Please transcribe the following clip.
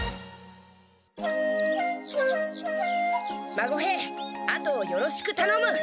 孫兵あとをよろしくたのむ。